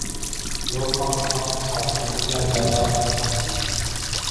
لوگ پاکستان میں سیاست تو کیا جائیداد تک نہیں خرید سکتے